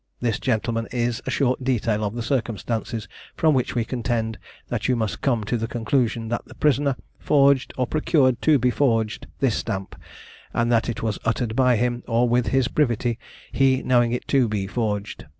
This, gentlemen, is a short detail of the circumstances, from which we contend, that you must come to the conclusion, that the prisoner forged, or procured to be forged, this stamp, and that it was uttered by him, or with his privity, he knowing it to be forged.